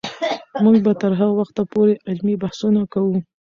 موږ به تر هغه وخته پورې علمي بحثونه کوو.